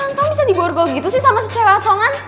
kok tantang bisa di burgol gitu sih sama si cewek asongan